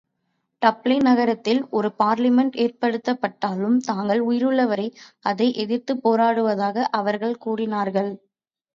Dublin நகரத்தில் ஒரு parliament ஏற்படுத்தப்பட்டாலும், தாங்கள் உயிருள்ளவரை அதை எதிர்த்துப் போராடுவதாக அவர்கள் கூறினார்கள்.